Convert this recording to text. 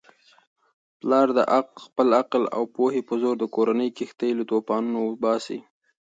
پلارد خپل عقل او پوهې په زور د کورنی کښتۍ له توپانونو باسي.